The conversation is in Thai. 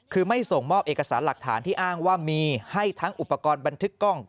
คือไม่ส่งมอบเอกสารหลักฐานที่อ้างว่ามีให้ทั้งอุปกรณ์บันทึกกล้อง